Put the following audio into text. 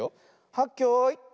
はっけよい。